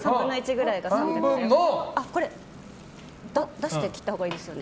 出して切ったほうがいいですよね。